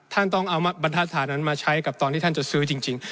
ท่านต้องเอาบรรทัศฐานนั้นมาใช้กับตอนที่ท่านจะซื้อจริง